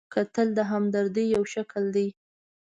کتل د همدردۍ یو شکل دی